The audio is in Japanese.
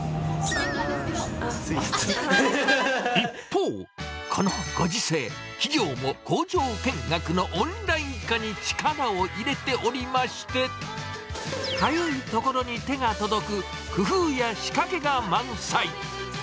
一方、このご時世、企業も工場見学のオンライン化に力を入れておりまして、かゆいところに手が届く工夫や仕掛けが満載。